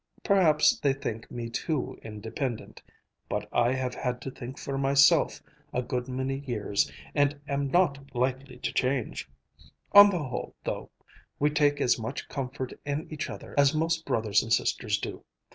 Perhaps they think me too independent. But I have had to think for myself a good many years and am not likely to change. On the whole, though, we take as much comfort in each other as most brothers and sisters do.